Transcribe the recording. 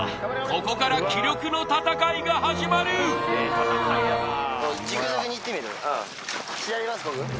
ここから気力の戦いが始まるうん